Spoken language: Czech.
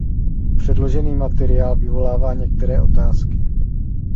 Předložený materiál vyvolává některé otázky.